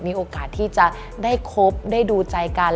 มีโอกาสที่จะได้คบได้ดูใจกัน